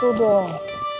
udah gue nurut